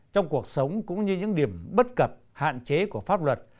trong cuộc sống cũng như những điểm bất cập hạn chế của pháp luật